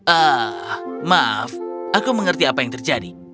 ah maaf aku mengerti apa yang terjadi